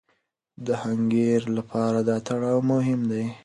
د حنکير لپاره دا تړاو مهم دی.